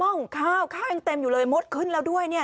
ข้าวข้าวยังเต็มอยู่เลยมดขึ้นแล้วด้วยเนี่ย